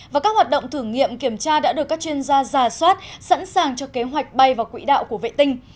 và các hoạt động thử nghiệm kiểm tra đã được các chuyên gia giả soát sẵn sàng cho kế hoạch bay vào quỹ đạo của vệ tinh